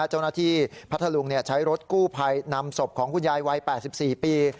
เจ้าหน้าที่พระทะลุงใช้รถกู้ไภนำศพของคุณยายวัย๘๔ปี